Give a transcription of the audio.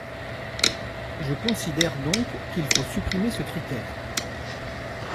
Je considère donc qu’il faut supprimer ce critère.